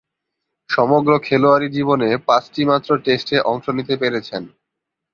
সমগ্র খেলোয়াড়ী জীবনে পাঁচটিমাত্র টেস্টে অংশ নিতে পেরেছেন।